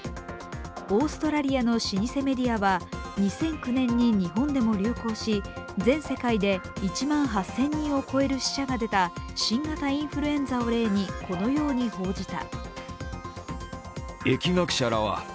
オーストラリアの老舗メディアは、２００９年に日本でも流行し、全世界で１万８０００人を超える死者が出た新型インフルエンザを例にこのように報じた。